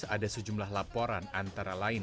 ada sejumlah laporan antara lain